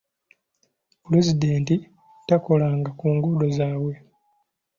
Pulezidenti takolanga ku nguudo zaabwe.